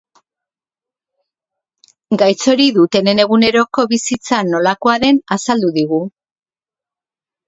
Gaitz hori dutenen eguneroko bizitza nolakoa den azaldu digu.